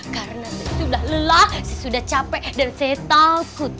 karena saya sudah lelah saya sudah capek dan saya takut